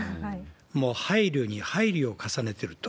もう配慮に配慮を重ねてると。